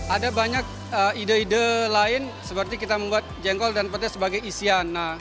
ada banyak ide ide lain seperti kita membuat jengkol dan petai sebagai isian